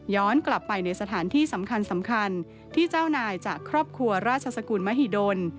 กลับไปในสถานที่สำคัญที่เจ้านายจากครอบครัวราชสกุลมหิดล